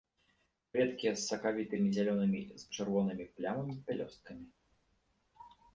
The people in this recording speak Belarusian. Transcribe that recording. Кветкі з сакавітымі зялёнымі з чырвонымі плямамі пялёсткамі.